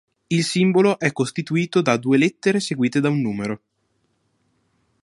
Il simbolo è costituito da due lettere seguite da un numero.